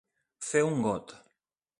Fer un got.